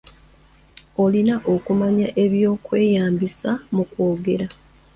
Olina okumanya eby'okweyambisa mu kwogera.